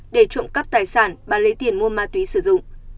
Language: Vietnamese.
để trộm cắp tài sản bà lấy tiền mua ma túy sử dụng